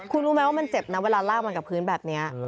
คุณรู้ไหมว่ามันเจ็บนะเวลาลากมากับพื้นแบบนี้